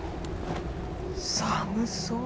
寒そう。